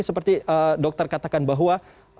seperti dokter katakan bahwa